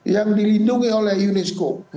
yang dilindungi oleh unesco